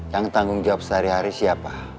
yang tanggung jawab sehari hari siapa